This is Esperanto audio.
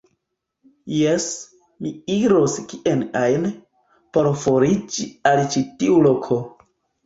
Jes, mi iros kien ajn, por foriĝi el ĉi tiu loko.